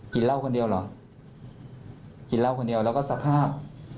กินเหล้าคนเดียวเหรอกินเหล้าคนเดียวแล้วก็สภาพ